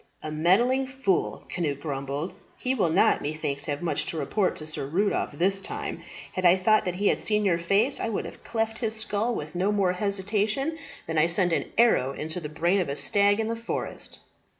"A meddling fool," Cnut grumbled. "He will not, methinks, have much to report to Sir Rudolph this time. Had I thought that he had seen your face, I would have cleft his skull with no more hesitation than I send an arrow into the brain of a stag in the forest."